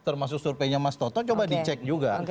termasuk surveinya mas toto coba dicek juga